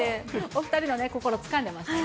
お２人の心、つかんでましたね。